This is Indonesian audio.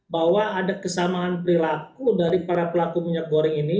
bahwa ada kesamaan perilaku dari para pelaku minyak goreng ini